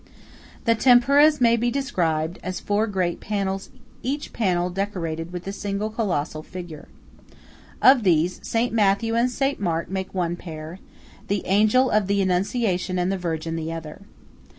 The temperas may be described 9 as four great panels, each panel decorated with a single colossal figure. Of these, Saint Matthew and Saint Mark make one pair; the Angel of the Annunciation and the Virgin, the other.